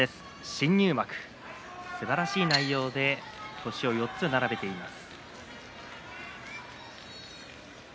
新入幕、すばらしい内容で星を４つ並べています。